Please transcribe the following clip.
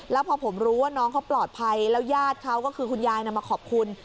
แล้วพอผมรู้ว่าน้องเขาปลอดภัยแล้วญาติเขาก็คือคุณยายมาขอบคุณ